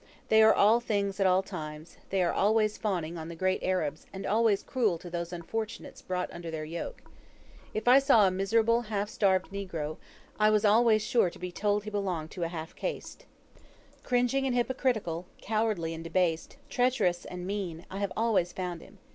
They are all things, at all times; they are always fawning on the great Arabs, and always cruel to those unfortunates brought under their yoke. If I saw a miserable, half starved negro, I was always sure to be told he belonged to a half caste. Cringing and hypocritical, cowardly and debased, treacherous and mean, I have always found him.